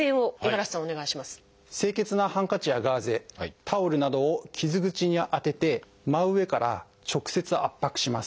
清潔なハンカチやガーゼタオルなどを傷口に当てて真上から直接圧迫します。